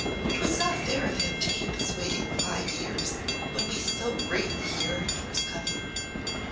'Twas not fair of him to keep us waiting five years when we so greatly yearned for his coming.